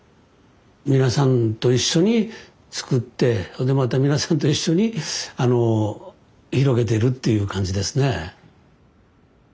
皆さんと一緒に作ってそれでまた皆さんと一緒に広げてるっていう感じですね。